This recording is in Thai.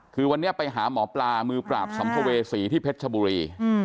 คือวันนี้ไปหาหมอปลามือปราบสัมภเวษีที่เพชรชบุรี